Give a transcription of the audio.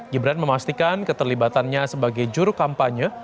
gibran memastikan keterlibatannya sebagai juru kampanye